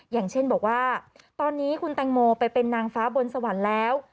อย่างเช่นบอกว่าตอนนี้คุณแตงโมไปเป็นนางฟ้าบนสวรรค์แล้ว